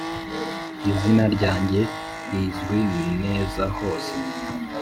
Izina ryange rizwi neza hose.